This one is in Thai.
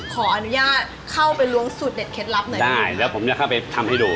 ขออนุญาตเข้าไปล้วงสูตรเด็ดเคล็ดลับหน่อยได้แล้วผมจะเข้าไปทำให้ดู